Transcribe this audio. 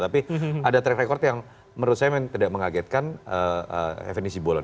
tapi ada track record yang menurut saya tidak mengagetkan fnd simbolon